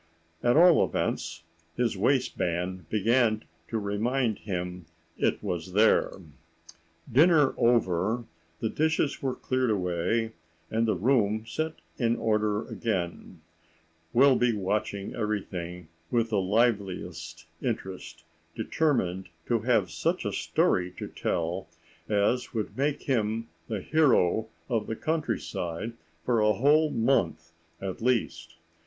At all events, his waistband began to remind him it was there. Dinner over, the dishes were cleared away and the room set in order again, Wilby watching everything with the liveliest interest, determined to have such a story to tell as would make him the hero of the country side for a whole month at least.